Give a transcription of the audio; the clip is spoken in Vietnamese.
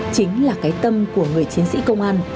chính là cái tâm của người chiến sĩ công an